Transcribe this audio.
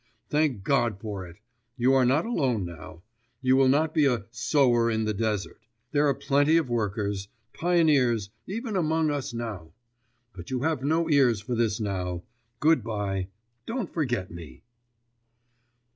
Thank God for it! You are not alone now. You will not be a "sower in the desert"; there are plenty of workers ... pioneers ... even among us now.... But you have no ears for this now. Good bye, don't forget me!